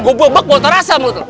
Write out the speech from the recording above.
gue bobek bau terasa menurut lo